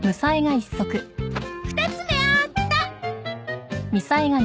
２つ目あーった！